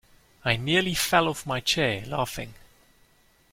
I nearly fell off my chair laughing